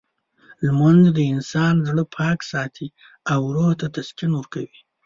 لمونځ د انسان زړه پاک ساتي او روح ته تسکین ورکوي.